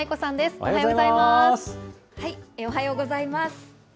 おはようございます。